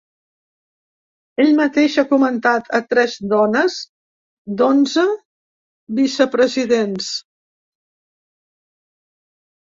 Ell mateix ha nomenat a tres dones d’onze vicepresidents.